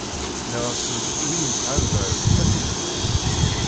Nniɣ-asen: Win yesɛan ddheb, ad t-id-ifk!